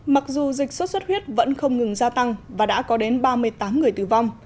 mặc dù dịch sốt xuất huyết vẫn không ngừng gia tăng và đã có đến ba mươi tám người tử vong